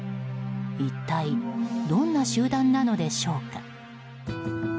一体、どんな集団なのでしょうか。